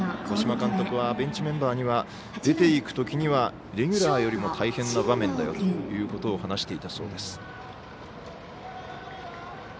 五島監督は、ベンチメンバーには出ていくときにはレギュラーよりも大変な場面だよということを話していたそうです。